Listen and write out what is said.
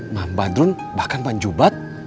mamba drun bahkan panjubat